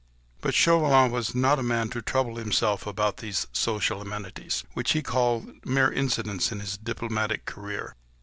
But Chauvelin was not the man to trouble himself about these social amenities, which he called mere incidents in his diplomatic career.